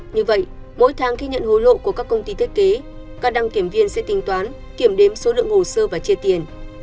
như vậy mỗi tháng khi nhận hối lộ của các công ty thiết kế các đăng kiểm viên sẽ tính toán kiểm đếm số lượng hồ sơ và chia tiền